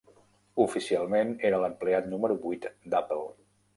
Oficialment era l'empleat número vuit d'Apple.